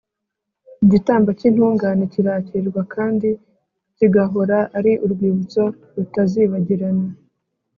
Igitambo cy’intungane kirakirwa, kandi kigahora ari urwibutso rutazibagirana.